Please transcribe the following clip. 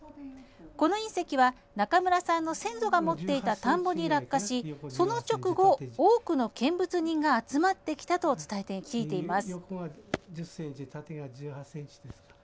この隕石は、中村さんの先祖が持っていた田んぼに落下しその直後、多くの見物人が集まってきたと伝え聞いています。